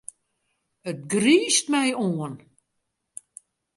It griist my oan.